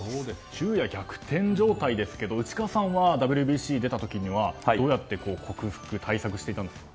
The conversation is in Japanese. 昼夜逆転状態ですけど内川さんはＷＢＣ出た時にはどうやって克服、対策していたんですか。